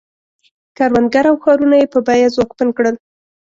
کروندګر او ښارونه یې په بیه ځواکمن کړل.